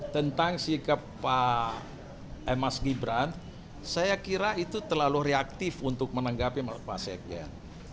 tentang sikap pak mas gibran saya kira itu terlalu reaktif untuk menanggapi pak sekjen